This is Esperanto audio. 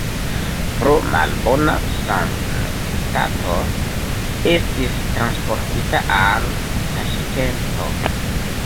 Pro malbona sanstato estis transportita al Taŝkento.